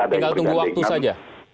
tinggal tunggu waktu saja